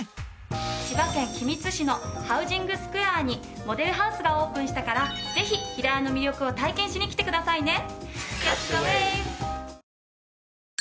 千葉県君津市のハウジングスクエアにモデルハウスがオープンしたからぜひ平屋の魅力を体験しに来てくださいね。